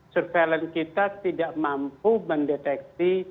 surveillance kita tidak mampu mendeteksi